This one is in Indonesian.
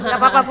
gak apa apa bu